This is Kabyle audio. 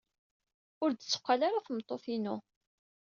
Ur d-tetteqqal ara tmeṭṭut-inu.